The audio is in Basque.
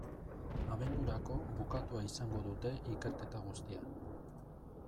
Abendurako bukatua izango dute ikerketa guztia.